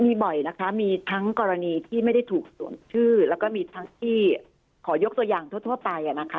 มีบ่อยนะคะมีทั้งกรณีที่ไม่ได้ถูกสวมชื่อแล้วก็มีทั้งที่ขอยกตัวอย่างทั่วไปนะคะ